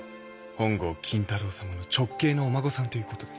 本郷金太郎さまの直系のお孫さんということです。